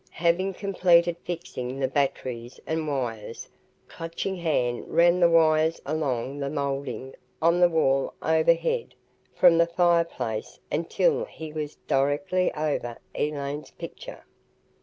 Having completed fixing the batteries and wires, Clutching Hand ran the wires along the moulding on the wall overhead, from the fireplace until he was directly over Elaine's picture.